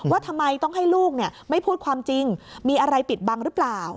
ว่าทำไมต้องให้ลูกไม่พูดความจริงมีอะไรปิดบังหรือเปล่า